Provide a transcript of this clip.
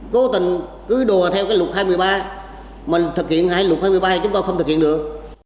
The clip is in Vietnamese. cố tình cứ đùa theo cái luật hai mươi ba mà thực hiện hai luật hai mươi ba chúng tôi không thực hiện được